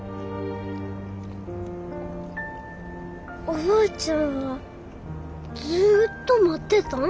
おばあちゃんはずっと待ってたん？